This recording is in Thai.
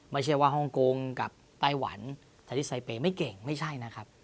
ไม่ใช่ว่าฮ่องกงกับไต้หวันแต่ที่ไซเปย์ไม่เก่งไม่ใช่นะครับ